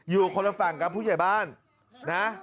อยู่คนละฝั่งกับผู้ใหญ่บ้านนะ